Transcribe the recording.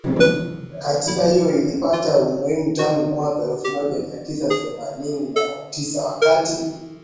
Katiba hiyo ilipata umuhimu tangu mwaka elfu moja mia tisa themanini na tisa wakati